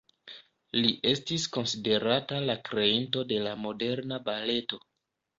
Li estis konsiderata la kreinto de la moderna baleto.